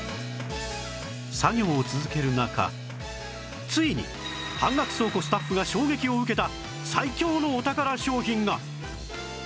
作業を続ける中ついに半額倉庫スタッフが衝撃を受けた最強のお宝商品が！